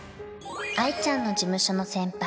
愛ちゃんの事務所の先輩